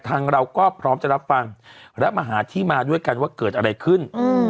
ทางเราก็พร้อมจะรับฟังและมาหาที่มาด้วยกันว่าเกิดอะไรขึ้น